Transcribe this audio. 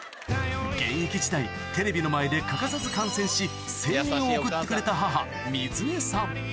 現役時代テレビの前で欠かさず観戦し声援を送ってくれた母ミズエさん